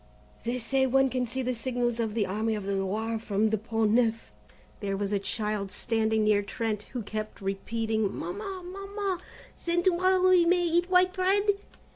They say one can see the signals of the Army of the Loire from the Pont Neuf." There was a child standing near Trent who kept repeating: "Mamma, Mamma, then to morrow we may eat white bread?"